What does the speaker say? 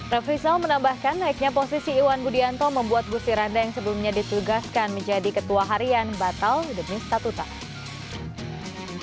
ref rizal menambahkan naiknya posisi iwan budianto membuat gusti randa yang sebelumnya ditugaskan menjadi ketua harian batal demi statuta